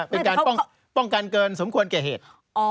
เป็นการป้องกันเกินสมควรแก่เหตุ